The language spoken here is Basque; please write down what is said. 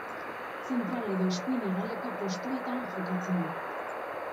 Zentral edo eskuin hegaleko postuetan jokatzen du.